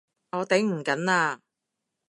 我頂唔緊喇！